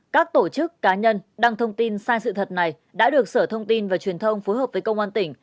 các tổ chức cá nhân đăng thông tin sai sự thật này đã được sở thông tin và truyền thông phối hợp với công an tỉnh